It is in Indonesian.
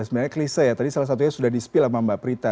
sebenarnya klise ya tadi salah satunya sudah di spill sama mbak prita